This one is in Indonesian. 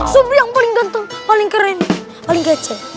sobri yang paling ganteng paling keren paling kece